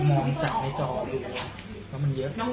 มันมองจากในจอดูแล้วมันเยอะ